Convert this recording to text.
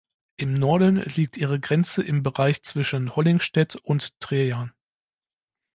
Im Norden liegt ihre Grenze im Bereich zwischen Hollingstedt und Treia.